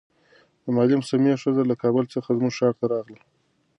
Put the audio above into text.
د معلم سمیع ښځه له کابل څخه زموږ ښار ته راغله.